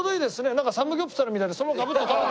なんかサムギョプサルみたいでそのままガブッと。